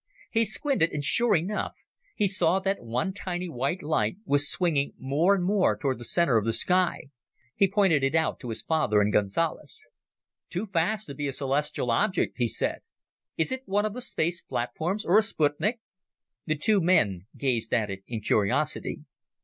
He squinted, and, sure enough, he saw that one tiny white light was swinging more and more toward the center of the sky. He pointed it out to his father and Gonzales. "Too fast to be a celestial object," he said. "Is it one of the space platforms or a sputnik?" The two men gazed at it in curiosity.